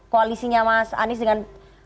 koalisinya mas anies dengan